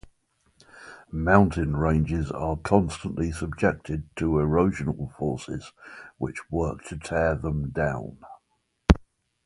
Mountain ranges are constantly subjected to erosional forces which work to tear them down.